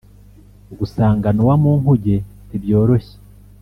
gusanga Nowa mu nkuge ntibyoroshye